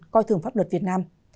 coi thường pháp luật việt nam